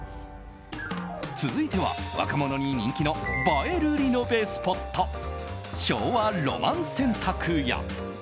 続いては若者に人気の映えるリノベスポット昭和浪漫洗濯屋。